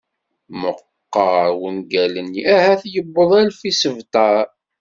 Meqqer wungal-nni, ahat yewweḍ alef isebtar.